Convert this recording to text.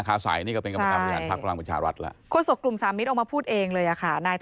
ค่ะก็บอกเข้ามาแน่